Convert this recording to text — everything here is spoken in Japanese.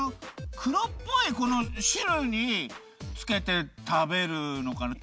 くろっぽいしるにつけて食べるのかな？